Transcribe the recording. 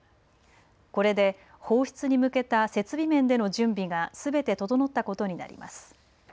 これで放出に向けた設備面での準備がすべて整ったことになります。